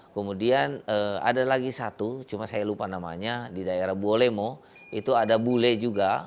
kemudian ada lagi satu cuma saya lupa namanya di daerah buolemo itu ada bule juga